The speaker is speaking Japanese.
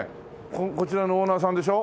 こちらのオーナーさんでしょ？